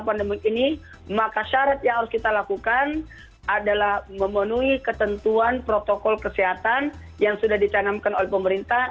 pertama adalah memenuhi ketentuan protokol kesehatan yang sudah ditanamkan oleh pemerintah